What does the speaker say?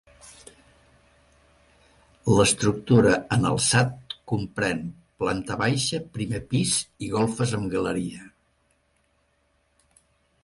L'estructura en alçat comprèn planta baixa, primer pis i golfes amb galeria.